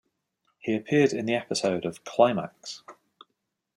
He appeared in the episode of Climax!